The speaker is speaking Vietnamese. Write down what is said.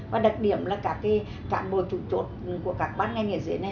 và đặc điểm là cả bộ chủ chỗ của các ban ngành ở dưới này